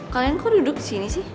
kalian kok duduk disini sih